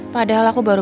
padahal aku baru